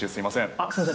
◆あっ、すみません